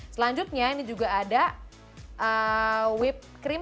selanjutnya ini juga ada whippe cream